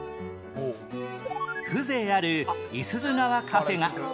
風情ある五十鈴川カフェが